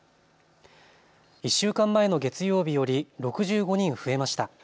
１週間前の月曜日より６５人増えました。